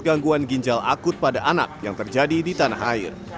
gangguan ginjal akut pada anak yang terjadi di tanah air